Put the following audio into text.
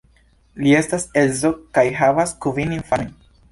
Li estas edzo kaj havas kvin infanojn.